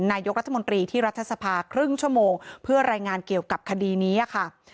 นายกรัฐมนตรีที่รัฐสภาครึ่งชั่วโมงเพื่อรายงานเกี่ยวกับคดีนี้ค่ะ